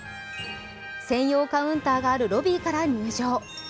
専用カウンターがあるロビーから入場。